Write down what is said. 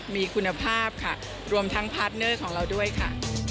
มีคุณภาพค่ะรวมทั้งพาร์ทเนอร์ของเราด้วยค่ะ